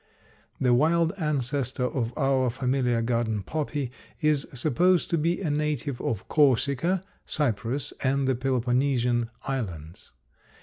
The wild ancestor of our familiar garden poppy is supposed to be a native of Corsica, Cyprus, and the Peloponnesian islands.